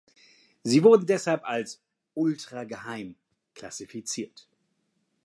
Sie wurden deshalb als „Ultra-geheim“ klassifiziert.